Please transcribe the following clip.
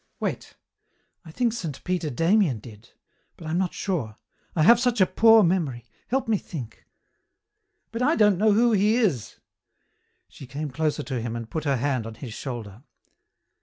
Wait. I think Saint Peter Damian did, but I am not sure. I have such a poor memory. Help me think." "But I don't know who he is!" She came closer to him and put her hand on his shoulder.